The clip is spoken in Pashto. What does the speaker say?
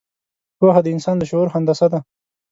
پوهه د انسان د شعور هندسه ده.